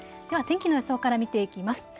では天気の予想から見ていきます。